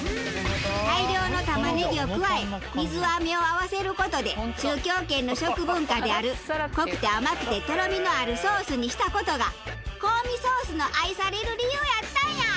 大量の玉ねぎを加え水あめを合わせる事で中京圏の食文化である濃くて甘くてとろみのあるソースにした事がコーミソースの愛される理由やったんや！